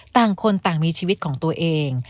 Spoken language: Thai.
ต่างคนต่างมีชีวิตของตัวเอง